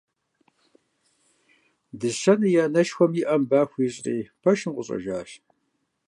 Дыщэнэ и анэшхуэм и Ӏэм ба хуищӀри, пэшым къыщӀэжащ.